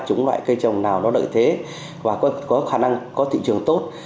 chúng loại cây trồng nào nó đợi thế và có khả năng có thị trường tốt